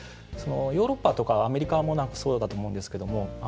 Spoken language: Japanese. ヨーロッパとかアメリカもそうだと思うんですけど